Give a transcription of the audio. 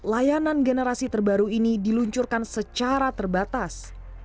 layanan generasi terbaru ini diluncurkan secara terbatas